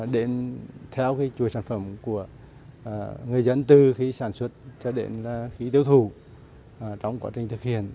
đến theo chuỗi sản phẩm của người dân từ khi sản xuất cho đến khi tiêu thụ trong quá trình thực hiện